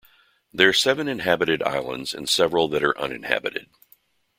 There are seven inhabited islands and several that are uninhabited.